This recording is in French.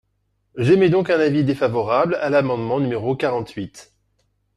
J’émets donc un avis défavorable à l’amendement numéro quarante-huit.